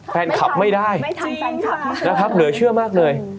แฟนคลับไม่ได้จริงค่ะนะครับเหลือเชื่อมากเลย